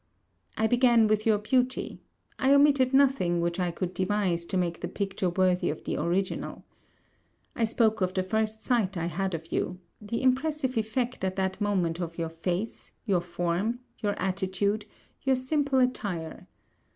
I began with your beauty: I omitted nothing which I could devise to make the picture worthy of the original. I spoke of the first sight I had of you; the impressive effect at that moment of your face, your form, your attitude, your simple attire.